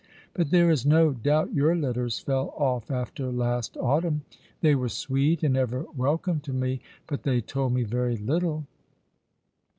But there is no doubt your letters fell off after last autumn. They were sweet, and ever welcome to me — but they told me very little."